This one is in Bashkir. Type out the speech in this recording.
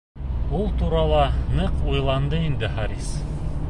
Ул турала ныҡ уйланды инде Харис.